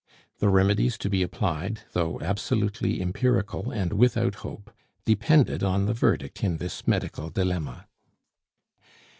The remedies to be applied, though absolutely empirical and without hope, depended on the verdict in this medical dilemma.